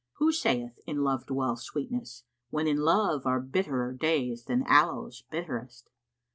Who saith, In Love dwells sweetness? when in Love * Are bitterer days than Aloës[FN#63] bitterest."